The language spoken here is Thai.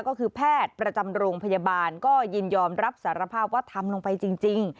ก็คือแพทย์ประจำโรงพยาบาลก็ยินยอมรับสารภาพว่าทำลงไปจริง